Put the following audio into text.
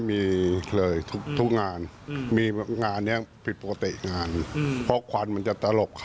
มันผิดปกติครับ